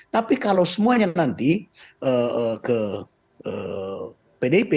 tapi kalau semuanya nanti ke pdip